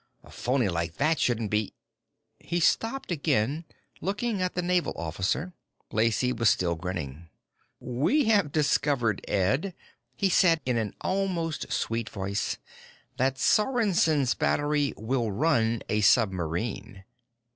A phony like that shouldn't be " He stopped again, looking at the naval officer. Lacey was still grinning. "We have discovered, Ed," he said in an almost sweet voice, "that Sorensen's battery will run a submarine."